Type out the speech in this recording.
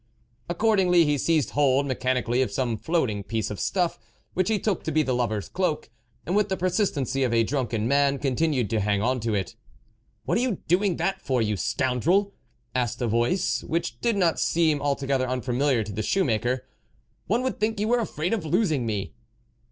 Accordingly, he seized hold mechani cally of some floating piece of stuff which he took to be the lover's cloak, and, with the persistency of a drunken man, con tinued to hang on to it. " What are you doing that for, you scoundrel ?" asked a voice, which did not seem altogether unfamiliar to the shoe maker. " One would think you were afraid of losing me."